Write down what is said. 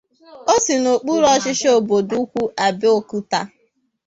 O si na okpuru ọchịchị obodo Ugwu Abeokuta.